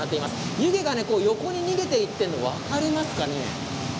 湯気が横に逃げていっているのが分かりますか。